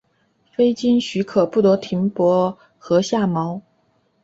非经许可不得停泊和下锚。